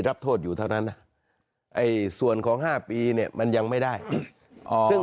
รับโทษอยู่เท่านั้นนะไอ้ส่วนของ๕ปีเนี่ยมันยังไม่ได้ซึ่ง